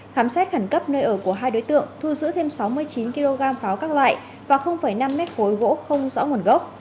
khám xét khẩn cấp nơi ở của hai đối tượng thu giữ thêm sáu mươi chín kg pháo các loại và năm mét khối gỗ không rõ nguồn gốc